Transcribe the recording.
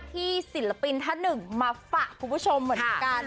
ศิลปินท่านหนึ่งมาฝากคุณผู้ชมเหมือนกัน